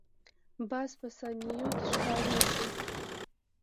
باز په ثانیو کې ښکار نیسي